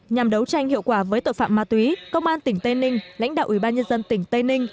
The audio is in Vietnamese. nhằm đấu tranh hiệu quả với tội phạm ma túy công an tỉnh tây ninh lãnh đạo ủy ban nhân dân tỉnh tây ninh